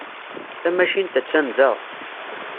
Tamacint attan da.